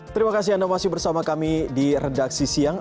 terima kasih anda masih bersama kami di redaksi siang